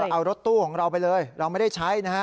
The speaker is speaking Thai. เอารถตู้ของเราไปเลยเราไม่ได้ใช้นะฮะ